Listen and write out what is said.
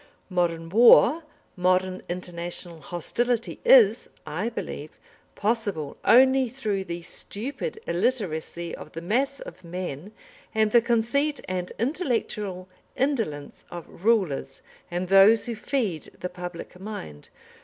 Modern war, modern international hostility is, I believe, possible only through the stupid illiteracy of the mass of men and the conceit and intellectual indolence of rulers and those who feed the public mind.